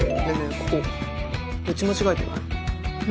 ここ打ち間違えてない？